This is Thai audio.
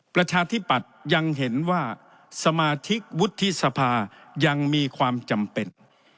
ประชาธิปัตย์ยังเห็นว่าสมาชิกวุฒิสภายังมีความจำเป็น